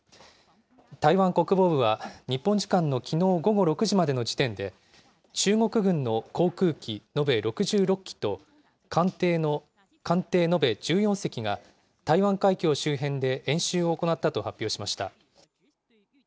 台湾国防部は日本時間のきのう午後６時までの時点で、中国軍の航空機延べ６６機と艦艇延べ１４隻が台湾海峡周辺で演習を行ったと発表しました。